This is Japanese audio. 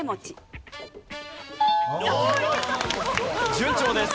順調です。